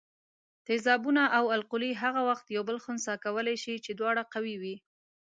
تیزابونه او القلي هغه وخت یو بل خنثي کولای شي چې دواړه قوي وي.